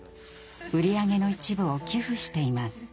売り上げの一部を寄付しています。